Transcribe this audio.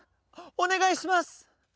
お願いします！